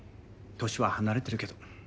年は離れてるけど。